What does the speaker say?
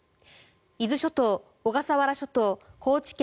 伊豆諸島、小笠原諸島、高知県